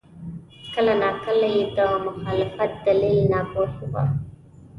کله ناکله یې د مخالفت دلیل ناپوهي وه.